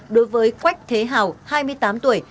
đối với quách thế hào hai mươi tám tuổi